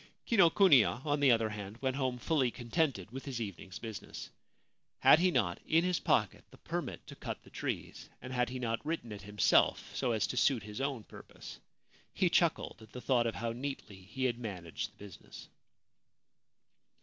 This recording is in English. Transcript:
Kinokuniya, on the other hand, went home fully con tented with his evening's business. Had he not in his pocket the permit to cut the trees, and had he not written it himself, so as to suit his own purpose ? He chuckled at the thought of how neatly he had managed the business.